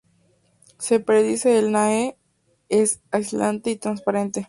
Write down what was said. Se predice que el NaHe es aislante y transparente.